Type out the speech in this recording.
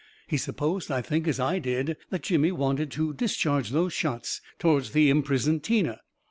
He supposed, I think, as I did, that Jimmy wanted to discharge those shots toward the imprisoned Tina.